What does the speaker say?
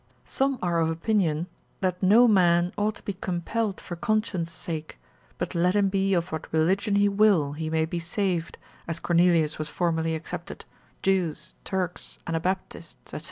Some are of opinion, that no man ought to be compelled for conscience' sake, but let him be of what religion he will, he may be saved, as Cornelius was formerly accepted, Jew, Turks, Anabaptists, &c.